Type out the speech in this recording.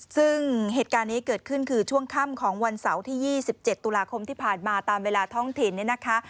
ซึ่งเหตุการณ์นี้เกิดขึ้นคือช่วงค่ำของวันเสาร์ที่๒๗ตุลาคมที่ผ่านมาตามเวลาท้องถิ่นเนี่ยนะคะ